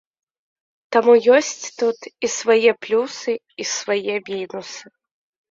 Таму ёсць тут і свае плюсы, і свае мінусы.